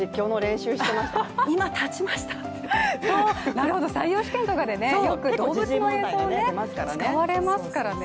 なるほど、採用試験とかでよく動物の映像、使われますからね。